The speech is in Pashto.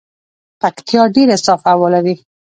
پکتيا ډیره صافه هوا لري